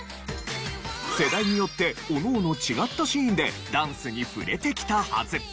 世代によっておのおの違ったシーンでダンスに触れてきたはず。